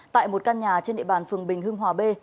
tại một căn nhà trên địa bàn phường bình hưng hòa b